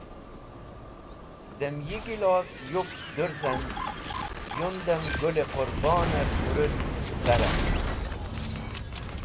Adem yi gilos yupk dũrzem, yundem Gũl-e Qũrboner pũrũt carem.